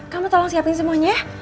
kamu tolong siapin semuanya